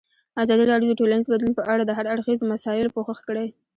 ازادي راډیو د ټولنیز بدلون په اړه د هر اړخیزو مسایلو پوښښ کړی.